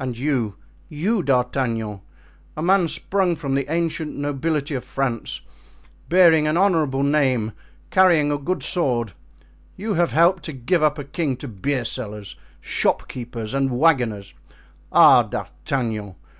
And you, you, D'Artagnan, a man sprung from the ancient nobility of France, bearing an honorable name, carrying a good sword, have helped to give up a king to beersellers, shopkeepers, and wagoners. Ah! D'Artagnan!